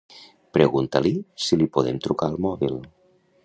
Pregunta-li si li podem trucar al mòbil.